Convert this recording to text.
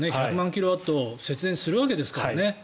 キロワット節電するわけですからね